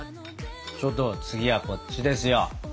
ちょっと次はこっちですよ。